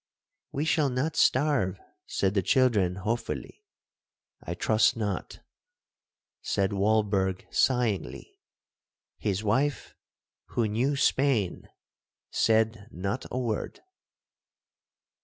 'We shall not starve,' said the children hopefully.—'I trust not,' said Walberg sighingly.—His wife, who knew Spain, said not a word.